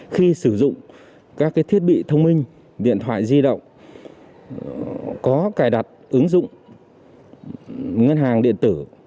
khi sử dụng các thiết bị thông minh điện thoại di động có cài đặt ứng dụng ngân hàng điện tử